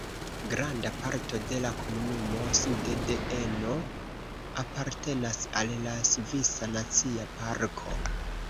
Granda parto de la komunumo sude de Eno apartenas al la Svisa Nacia Parko.